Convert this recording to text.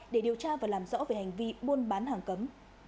để điều tra và làm rõ về hành vi buôn bán hàng cấm